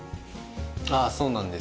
ああそうなんです。